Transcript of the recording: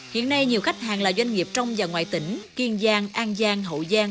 hiện nay nhiều khách hàng là doanh nghiệp trong và ngoài tỉnh kiên giang an giang hậu giang